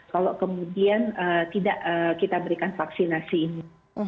kalau kemudian tidak kita berikan vaksinasi ini